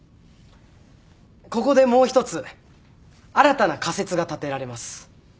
ここでもう一つ新たな仮説が立てられます。